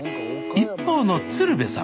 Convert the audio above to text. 一方の鶴瓶さん。